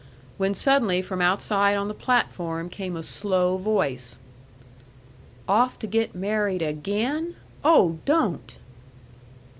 when suddenly from outside on the platform came a slow voice: "Off to get married AGAIN? Oh, don't!"